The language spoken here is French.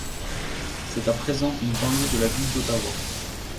C'est à présent une banlieue de la ville d'Ottawa.